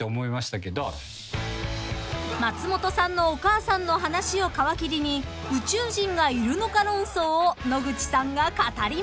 ［松本さんのお母さんの話を皮切りに宇宙人がいるのか論争を野口さんが語ります］